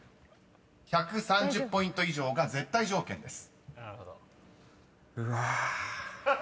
［１３０ポイント以上が絶対条件です］